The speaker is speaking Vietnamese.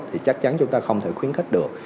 thì chắc chắn chúng ta không thể khuyến khích được